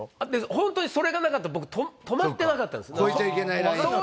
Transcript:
ホントにそれがなかったら僕止まってなかったんです。